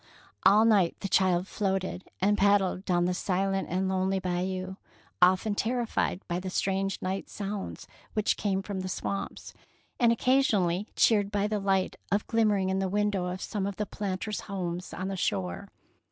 '^ All night the child floated and paddled down the silent and lonely Bayou, often terrified by the strange night sounds which came from the swamps, and occasionally cheered by the light glimmering in the window of some of the planters' homes on the shore.